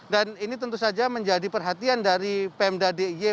dan ini tentu saja menjadi perhatian dari pemda d i e